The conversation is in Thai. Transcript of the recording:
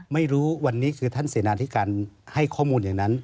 ไม่รู้วันนี้คือท่านเสนาธิการให้ข้อมูลอย่างนั้น